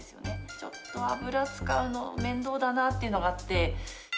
ちょっと油を使うの面倒だなというのがあって。